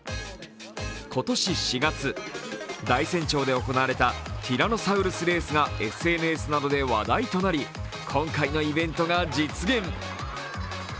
今年４月、大山町で行われたティラノサウルスレースがＳＮＳなどで話題となり今回のイベントが実現。